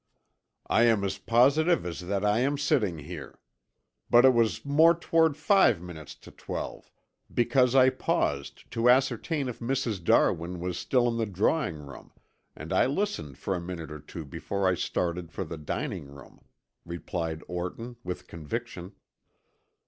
"I am as positive as that I am sitting here. But it was more toward five minutes to twelve because I paused to ascertain if Mrs. Darwin was still in the drawing room and I listened for a minute or two before I started for the dining room," replied Orton with conviction.